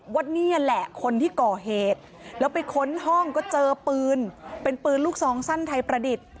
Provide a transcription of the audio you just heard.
ว่านี่แหละคนที่ก่อเหตุแล้วไปค้นห้องก็เจอปืนเป็นปืนลูกซองสั้นไทยประดิษฐ์